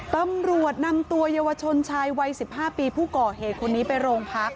ตำรวจนำตัวเยาวชนชายวัย๑๕ปีผู้ก่อเหตุคนนี้ไปโรงพัก